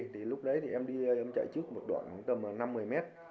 thì lúc đấy thì em chạy trước một đoạn tầm năm mươi mét